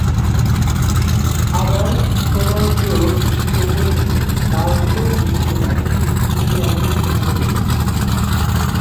আবার প্রমাণ-প্রয়োগ সে তো বালকেও বুঝতে পারে, তিনি এমনি সোজা করে দিয়েছেন।